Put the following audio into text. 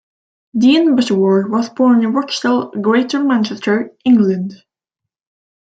Dean Butterworth was born in Rochdale, Greater Manchester, England.